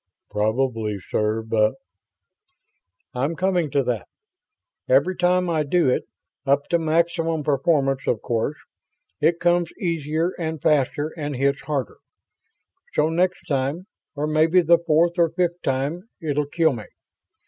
"Probably, sir, but ..." "I'm coming to that. Every time I do it up to maximum performance, of course it comes easier and faster and hits harder. So next time, or maybe the fourth or fifth time, it'll kill me.